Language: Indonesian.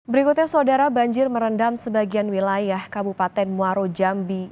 berikutnya saudara banjir merendam sebagian wilayah kabupaten muaro jambi